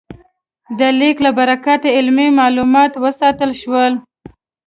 د لیک له برکته علمي مالومات وساتل شول.